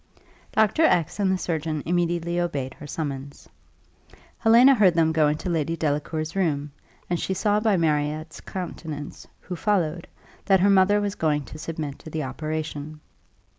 Doctor X and the surgeon immediately obeyed her summons. Helena heard them go into Lady Delacour's room, and she saw by Marriott's countenance, who followed, that her mother was going to submit to the operation.